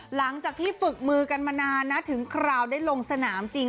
หลังจากที่ฝึกมือกันมานานนะถึงคราวได้ลงสนามจริง